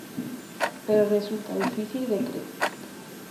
Pero resulta difícil de crer.